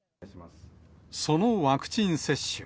そのワクチン接種。